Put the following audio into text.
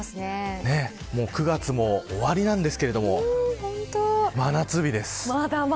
９月も終わりなんですけれども真夏日です。